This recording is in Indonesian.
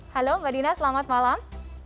halo mbak dina selamat malam